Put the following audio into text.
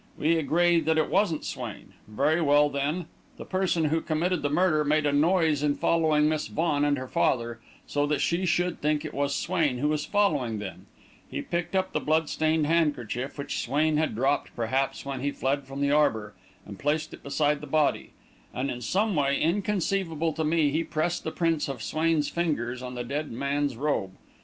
We agree that it wasn't Swain. Very well, then: the person who committed the murder made a noise in following Miss Vaughan and her father so that she should think it was Swain who was following them; he picked up the blood stained handkerchief, which Swain had dropped perhaps when he fled from the arbour, and placed it beside the body; and in some way inconceivable to me he pressed the prints of Swain's fingers on the dead man's robe.